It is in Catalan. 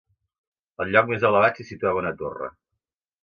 Al lloc més elevat s'hi situava una torre.